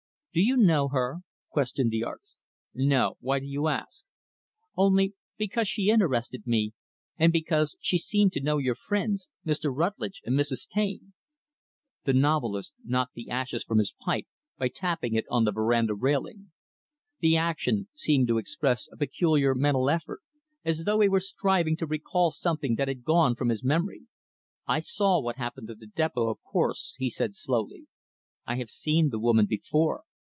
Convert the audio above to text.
"Do you know her?" questioned the artist. "No. Why do you ask?" "Only because she interested me, and because she seemed to know your friends Mr. Rutlidge and Mrs. Taine." The novelist knocked the ashes from his pipe by tapping it on the veranda railing. The action seemed to express a peculiar mental effort; as though he were striving to recall something that had gone from his memory. "I saw what happened at the depot, of course," he said slowly. "I have seen the woman before.